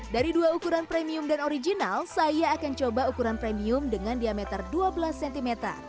dari dua ukuran premium dan original saya akan coba ukuran premium dengan diameter dua belas cm